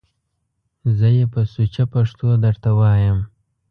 زه یې په سوچه پښتو درته وایم!